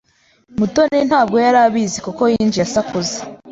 Mutoni ntabwo yari abizi kuko yinjiye asakuza.